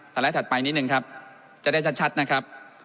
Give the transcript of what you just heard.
ไลด์ถัดไปนิดนึงครับจะได้ชัดนะครับ